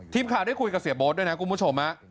ทีมข่าวได้คุยกับเสียโบ๊ทด้วยนะคุณผู้ชม